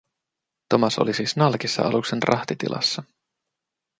Thomas oli siis nalkissa aluksen rahtitilassa.